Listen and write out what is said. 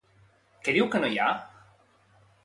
Què diu que no hi ha?